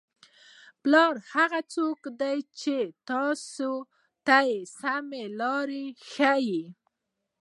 پلار هغه څوک دی چې تاسو ته سمه لاره ښایي.